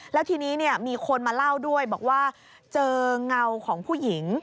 แล้วทีนี้มีคนมาเล่าด้วยบอกว่าเจอเงาของผู้หญิง